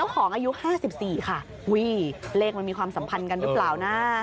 ของอายุ๕๔ค่ะอุ้ยเลขมันมีความสัมพันธ์กันหรือเปล่านะ